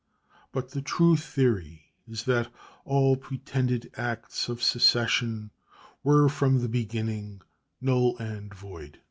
But the true theory is that all pretended acts of secession were from the beginning null and void.